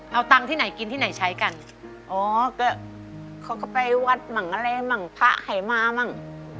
เอาตังค์ที่ไหนกินที่ไหนใช้กันอ๋อก็เขาก็ไปวัดมั่งอะไรมั่งพระให้มามั่ง